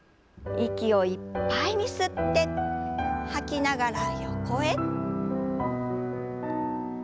息をいっぱいに吸って吐きながら横へ。